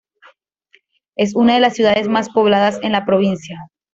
Es una de las ciudades más pobladas en la provincia.